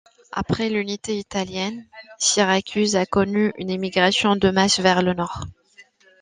Après l’unité italienne, Syracuse a connu une émigration de masse vers le Nord.